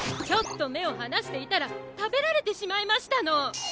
ちょっとめをはなしていたらたべられてしまいましたの。